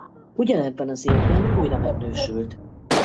Ugyanebben az évben újra megnősült.